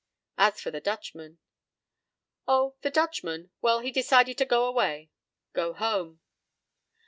p> As for the Dutchman: "Oh, the Dutchman? Well, he decided to go away. Go home."